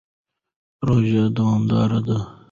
پروژه دوامداره ده.